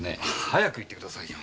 早く言ってくださいよ。